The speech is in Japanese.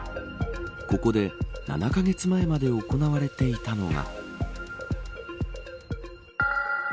ここで７カ月前まで行われていたのが。